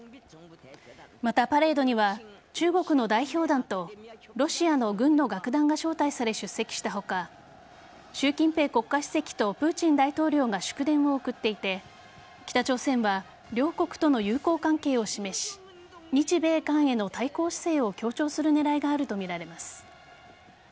また、パレードには中国の代表団とロシアの軍の楽団が招待され出席した他習近平国家主席とプーチン大統領が祝電を送っていて北朝鮮は両国との友好関係を示し日米韓への対抗姿勢を強調する狙いがあるとみられます。